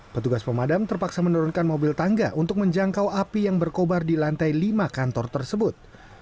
petugas pemadam terpaksa menurunkan mobil tangga untuk menjangkau api yang berkobar di lantai lima kantor tersebut